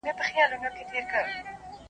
ځیني وي چي یې په سر کي بغاوت وي .